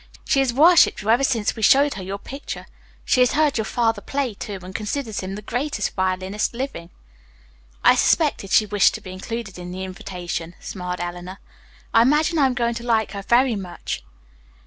She has worshipped you ever since we showed her your picture. She has heard your father play, too, and considers him the greatest violinist living." "I suspected she wished to be included in the invitation," smiled Eleanor. "I imagine I am going to like her very much."